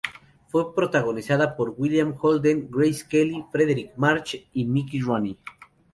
Fue protagonizada por William Holden, Grace Kelly, Fredric March y Mickey Rooney.